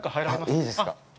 いいですか？